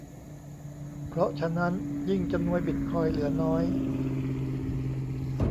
เพราะฉะนั้นยิ่งจำนวนบิตคอยน์เหลือน้อย